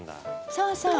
そうそう！